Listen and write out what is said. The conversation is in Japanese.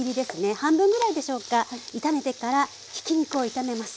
半分ぐらいでしょうか炒めてからひき肉を炒めます。